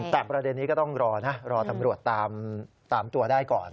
แต่ประเด็นนี้ก็ต้องรอนะรอตำรวจตามตัวได้ก่อน